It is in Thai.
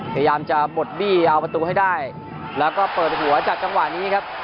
พยายามจะบดบี้เอาประตูให้ได้แล้วก็เปิดหัวจากจังหวะนี้ครับ